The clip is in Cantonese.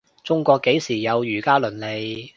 中國幾時有儒家倫理